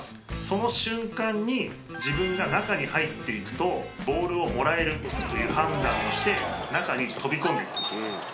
その瞬間に自分が中に入っていくとボールをもらえるという判断をして中に飛び込んでいきます。